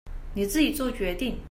你自己作決定